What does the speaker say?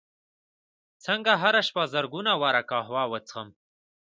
څنګه هره شپه زرګونه واره قهوه وڅښم